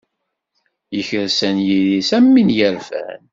Yekres anyir-is am win yerfan.